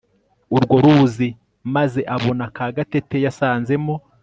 urwo ruzi maze abona ka gatete Yasanzemo